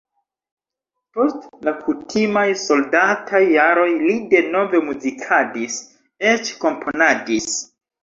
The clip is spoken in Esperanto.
Post la kutimaj soldataj jaroj li denove muzikadis, eĉ komponadis.